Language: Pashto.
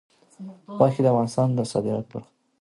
غوښې د افغانستان د صادراتو برخه ده.